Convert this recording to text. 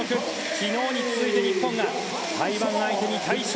昨日に続いて日本が台湾相手に大勝。